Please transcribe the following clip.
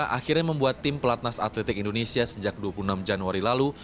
akhirnya membuat tim pelatnas atletik indonesia sejak dua puluh enam januari lalu